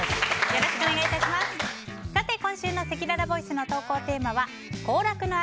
今週のせきららボイスの投稿テーマは行楽の秋！